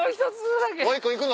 もう１個行くの？